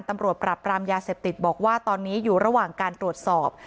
ตำรวจปรับปรามยาเสพติดบอกว่าตอนนี้อยู่ระหว่างการตรวจสอบ